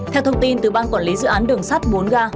theo thông tin từ ban quản lý dự án đường sắt bốn ga